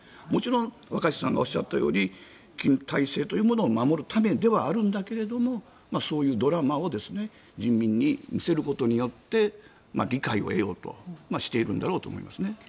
もちろん若新さんがおっしゃったように金体制というものを守るためではあるんだけどそういうドラマを人民に見せることによって理解を得ようとしているんだろうと思います。